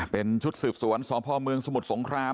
เป็นชุดสืบสวนสองภอมเมืองสมุดสงคราม